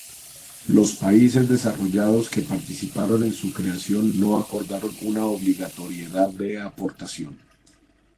Los países desarrollados que participaron en su creación no acordaron una obligatoriedad de aportación.